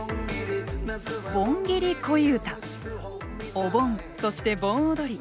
お盆そして盆踊り